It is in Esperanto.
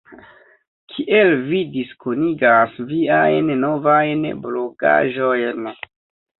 Kiel vi diskonigas viajn novajn blogaĵojn?